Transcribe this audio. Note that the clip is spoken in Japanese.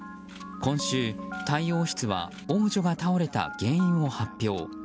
今週、タイ王室は王女が倒れた原因を発表。